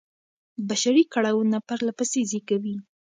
بشري کړاوونه پرله پسې زېږي.